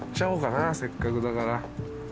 せっかくだから。